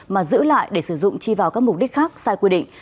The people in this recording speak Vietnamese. mà giữ lại để sử dụng chi vào các mục đích khác sai quy định